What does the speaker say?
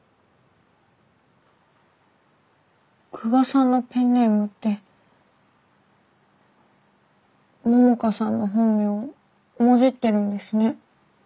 久我さんのペンネームって桃香さんの本名をもじってるんですね。